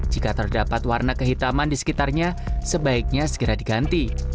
jika terdapat warna kehitaman di sekitarnya sebaiknya segera diganti